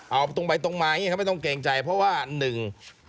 เอาตรงไปตรงมาไม่ต้องเกรงใจเพราะว่าหนึ่ง